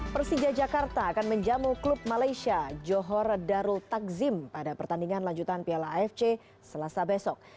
persija jakarta akan menjamu klub malaysia johor darul takzim pada pertandingan lanjutan piala afc selasa besok